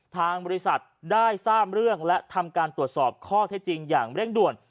ทางบริษัทได้ทราบเรื่องและทำการตรวจสอบข้อเท็จจริงอย่างเร่งด่วน